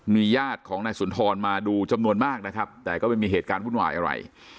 มีญาติของนายสุนทรมาดูจำนวนมากนะครับแต่ก็ไม่มีเหตุการณ์วุ่นวายอะไร